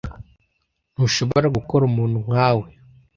Ntushobora gukora umuntu nkawe.